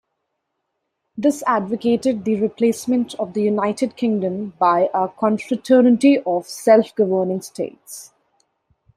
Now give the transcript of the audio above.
This advocated the replacement of the United Kingdom by a 'confraternity' of self-governing states.